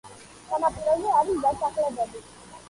სანაპიროზე არის დასახლებები.